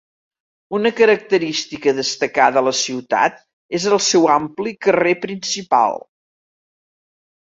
Una característica a destacar de la ciutat és el seu ampli carrer principal.